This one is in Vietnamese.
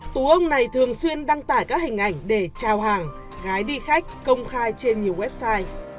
tú ông này thường xuyên đăng tải các hình ảnh để trao hàng gái đi khách công khai trên nhiều website